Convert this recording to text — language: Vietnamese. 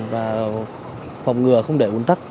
và phòng ngừa không để ồn tắc